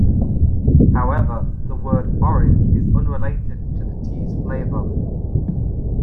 However, the word "orange" is unrelated to the tea's flavor.